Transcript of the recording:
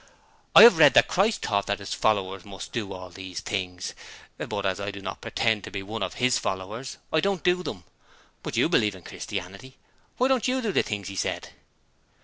I have read that Christ taught that His followers must do all these things, but as I do not pretend to be one of His followers I don't do them. But you believe in Christianity: why don't you do the things that He said?'